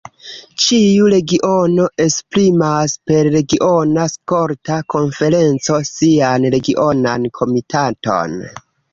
Ĉiu regiono esprimas per regiona skolta konferenco sian regionan komitaton.